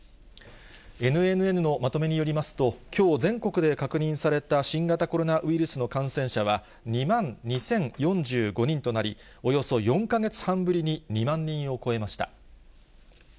ＮＮＮのまとめによりますと、きょう全国で確認された新型コロナウイルスの感染者は、２万２０４５人となり、およそ４か月半ぶりに２万人を超えました。